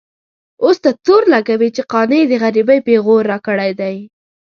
اوس ته تور لګوې چې قانع د غريبۍ پېغور راکړی دی.